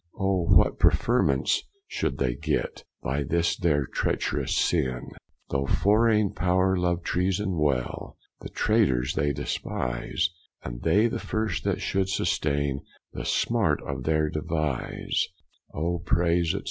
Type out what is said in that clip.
Or what preferment should they get, By this their trecherous sinne? Though forraine power love treason well, The traitors they dispise, And they the first that should sustaine The smart of their devise O praise, &c.